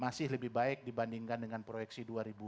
masih lebih baik dibandingkan dengan proyeksi dua ribu dua puluh